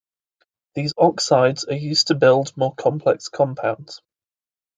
These oxides are used to build more complex compounds.